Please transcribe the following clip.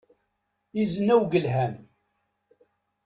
Izen awgelhan.